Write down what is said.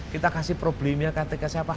kita kasih problemnya ketika siapa